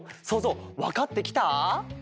そうぞうわかってきた？